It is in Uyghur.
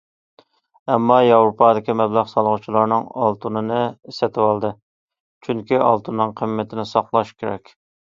ئەمما ياۋروپادىكى مەبلەغ سالغۇچىلارنىڭ ئالتۇنىنى سېتىۋالدى، چۈنكى ئالتۇننىڭ قىممىتىنى ساقلاش كېرەك.